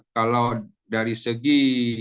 kalau dari segi